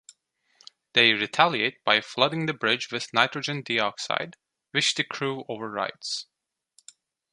They retaliate by flooding the bridge with nitrogen dioxide, which the crew overrides.